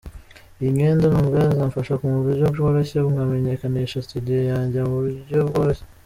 Iyi myenda numva yazamfasha mu buryo bworoshye nkamenyekanisha studio yanjye mu buryo bworoshye.